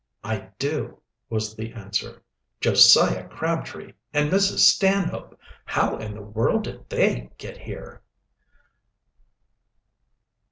"I do," was the answer. "Josiah Crabtree and Mrs. Stanhope! How in the world did they get here?"